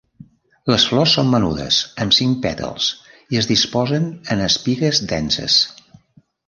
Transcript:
Les flors són menudes amb cinc pètals i es disposen en espigues denses.